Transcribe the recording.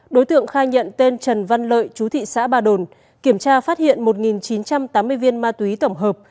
đối tượng khai nhận tên trần văn lợi chú thị xã ba đồn kiểm tra phát hiện một chín trăm tám mươi viên ma túy tổng hợp